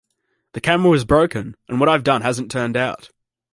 The camera was broken and what I've done hasn't turned out.